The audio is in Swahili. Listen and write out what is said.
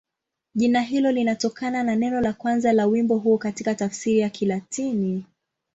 Jina hilo linatokana na neno la kwanza la wimbo huo katika tafsiri ya Kilatini.